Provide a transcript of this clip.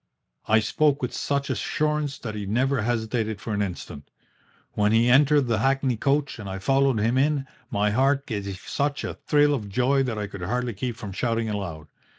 "I spoke with such assurance that he never hesitated for an instant. When he entered the hackney coach and I followed him in, my heart gave such a thrill of joy that I could hardly keep from shouting aloud.